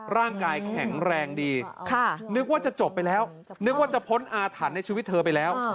ร่างกายแข็งแรงดีนึกว่าจะจบไปแล้วนึกว่าจะพ้นอาถรรพ์ในชีวิตเธอไปแล้ว